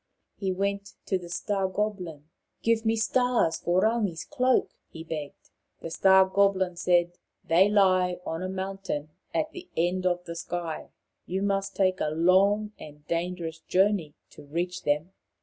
He went to the Star goblin. " Give me stars for Rangi's cloak," he begged. The Star goblin said, " They lie on a mountain at the end of the sky. You must take a long and dangerous journey to reach them."